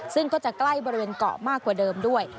ซึ่งก็จะใกล้บริเวณเกาะมากกว่าเดิมด้วย